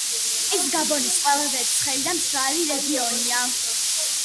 ეს გაბონის ყველაზე ცხელი და მშრალი რეგიონია.